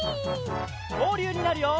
きょうりゅうになるよ！